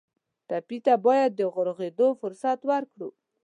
ټپي ته باید د روغېدو فرصت ورکړو.